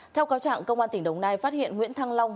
theo cáo trạng công an tỉnh đồng nai phát hiện nguyễn thăng long